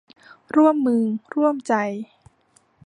ร่วมมือร่วมใจ